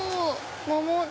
桃。